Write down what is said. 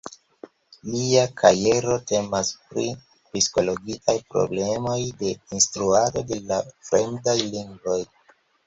Lia kajero temas pri psikologiaj problemoj de instruado de la fremdaj lingvoj.